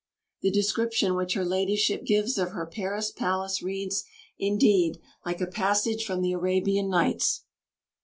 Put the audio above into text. The description which her Ladyship gives of her Paris palace reads, indeed, like a passage from the "Arabian Nights."